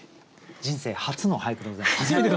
人生初の俳句でございます。